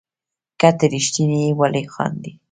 که ته ريښتيني يي ولي خاندي